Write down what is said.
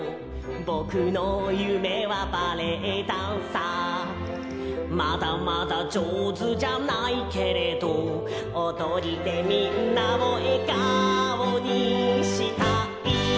「ぼくのゆめはバレエダンサー」「まだまだじょうずじゃないけれど」「おどりでみんなをえがおにしたい」